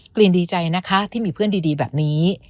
ลีนดีใจนะคะที่มีเพื่อนดีแบบนี้